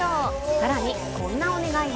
さらに、こんなお願いを。